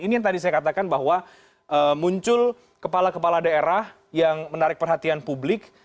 ini yang tadi saya katakan bahwa muncul kepala kepala daerah yang menarik perhatian publik